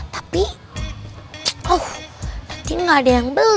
tapi nanti gak ada yang beli lagi